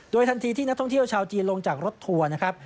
ทันทีที่นักท่องเที่ยวชาวจีนลงจากรถทัวร์นะครับ